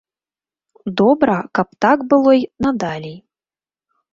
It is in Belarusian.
Добра, каб так было й надалей.